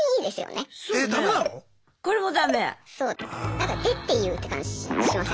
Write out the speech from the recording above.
何か「で？」っていうって感じしません？